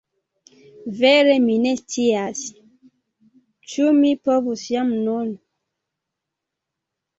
Vere mi ne scias, ĉu mi povus jam nun.